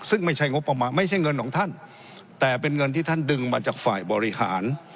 ซึ่งไม่ใช่งบประมาณไม่ใช่เงินของท่านแต่เป็นเงินที่ท่านดึงมาจากฝ่ายบริหาร